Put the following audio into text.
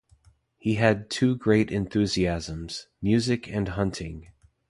He had two great enthusiasms: music and hunting.